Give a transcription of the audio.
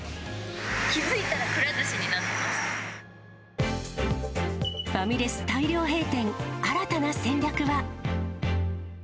気付いたら、ファミレス大量閉店、新たな戦略は。